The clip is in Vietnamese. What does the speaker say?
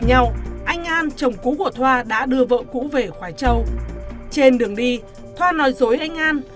nhau anh an chồng cũ của thoa đã đưa vợ cũ về khói châu trên đường đi thoa nói dối anh an